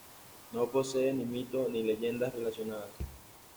No posee ni mito ni leyendas relacionadas.